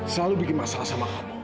selalu bikin masalah sama hati